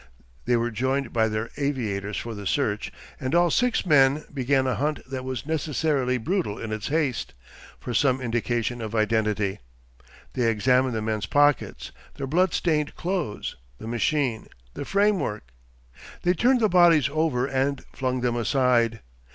They were joined by their aviators for the search, and all six men began a hunt that was necessarily brutal in its haste, for some indication of identity. They examined the men's pockets, their bloodstained clothes, the machine, the framework. They turned the bodies over and flung them aside.